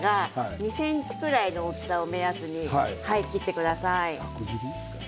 ２ｃｍぐらいの大きさを目安に切ってください。